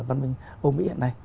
văn minh âu mỹ hiện nay